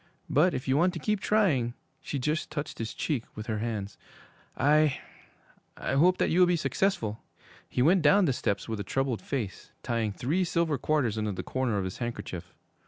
But if you want to keep trying,' she just touched his cheek with her hands, 'I I hope that you will be successful!' He went down the steps with a troubled face, tying three silver quarters into the corner of his handkerchief.